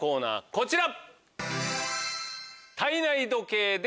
こちら。